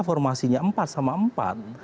formasinya empat sama empat